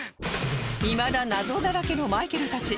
いまだ謎だらけのマイケルたち